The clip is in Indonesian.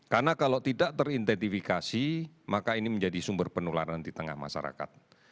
karena kalau tidak teridentifikasi maka ini menjadi sumber penularan di tengah masyarakat